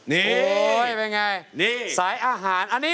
นี่โอ๊ยเป็นไงสายอาหารนี่